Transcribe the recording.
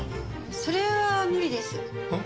それは無理です。